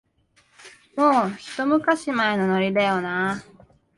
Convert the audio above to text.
もう、ひと昔前のノリだよなあ